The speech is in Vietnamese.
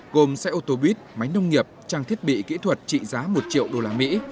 gồm xe ô tô buýt máy nông nghiệp trang thiết bị kỹ thuật trị giá một triệu đô la mỹ